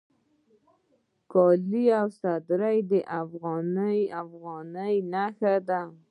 کالي او صدرۍ د افغاني نښه ده